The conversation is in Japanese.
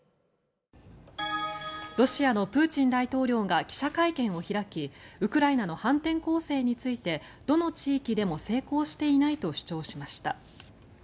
ロシアのプーチン大統領が記者会見を開きウクライナの反転攻勢についてどの地域でも成功していないと主張しました。